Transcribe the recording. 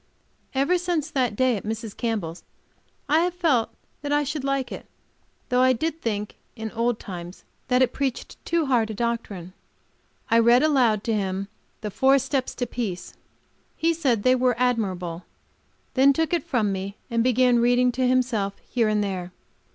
Ever since that day at Mrs. Campbell's I have felt that I should like it, though I did think, in old times, that it preached too hard a doctrine. I read aloud to him the "Four Steps to Peace"; he said they were admirable, and then took it from me and began reading to himself, here and there.